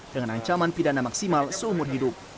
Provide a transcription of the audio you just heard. dengan ancaman pidana maksimal seumur hidup